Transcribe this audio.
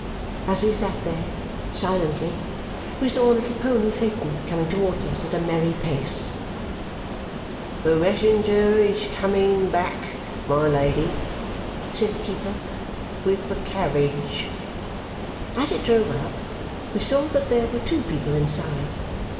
As we sat there, silently, we saw a little pony phaeton coming towards us at a merry pace. "The messenger is coming back, my Lady," said the keeper, "with the carriage." As it drove up, we saw that there were two people inside.